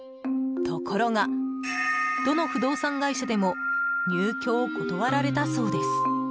ところが、どの不動産会社でも入居を断られたそうです。